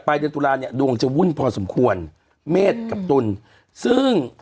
เดือนตุลาเนี่ยดวงจะวุ่นพอสมควรเมษกับตุลซึ่ง